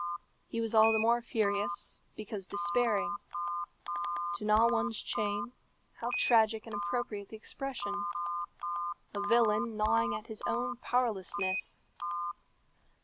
He was all the more furious, because despairing. To gnaw one's chain how tragic and appropriate the expression! A villain gnawing at his own powerlessness!